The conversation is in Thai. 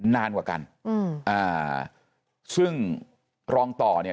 นานกว่ากันอืมอ่าซึ่งรองต่อเนี่ย